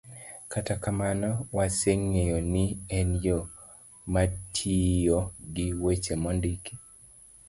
Kata kamano, waseng'eyo ni en yo matiyo gi weche mondiki.